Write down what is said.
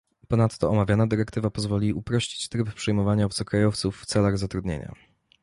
Ponadto omawiana dyrektywa pozwoli uprościć tryb przyjmowania obcokrajowców w celach zatrudnienia